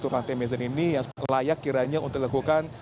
lantai mezanin ini yang layak kiranya untuk dilakukan